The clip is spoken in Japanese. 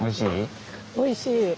おいしい？